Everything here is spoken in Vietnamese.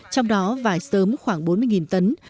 trong đó vải sớm khoảng bốn mươi tấn